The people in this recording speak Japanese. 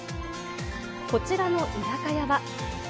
こちらの居酒屋は。